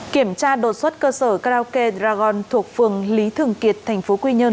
kiểm tra đột xuất cơ sở karaoke dragon thuộc phường lý thường kiệt thành phố quy nhơn